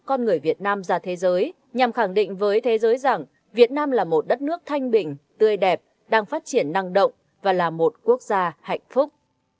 con người việt nam ra thế giới nhằm khẳng định với thế giới rằng việt nam là một đất nước thanh bình tươi đẹp đang phát triển năng động và là một quốc gia hạnh phúc